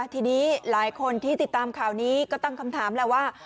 ทีนี้หลายคนที่ติดตามข่าวนี้ก็ตั้งคำถามแล้วว่า